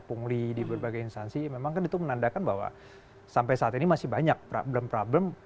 pungli di berbagai instansi memang kan itu menandakan bahwa sampai saat ini masih banyak problem problem